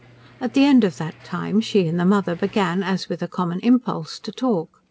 At the end of that time she and the mother began, as with a common impulse, to talk.